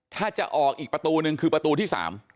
ถ้าจะออกอีกประตูนึงคือประตูที่๓